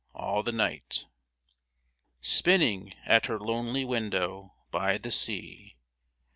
All the night ! Spinning, at her lonely window. By the sea